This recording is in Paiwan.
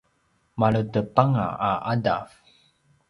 maledepanga a ’adav